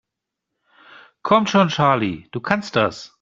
Komm schon, Charlie, du kannst das!